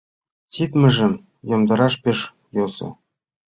— Ситмыжым йомдараш пеш йӧсӧ.